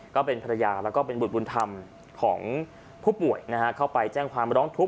ก็เป็นภรรยาแล้วก็เป็นบุตรบุญธรรมของผู้ป่วยนะฮะเข้าไปแจ้งความร้องทุกข